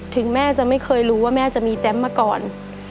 ถึงแม่จะไม่เคยรู้ว่าแม่จะมีแจ๊มมาก่อน